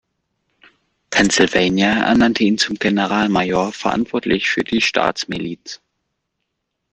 Pennsylvania ernannte ihn zum Generalmajor, verantwortlich für die Staatsmiliz.